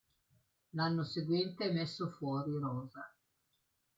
L'anno seguente è messo fuori rosa.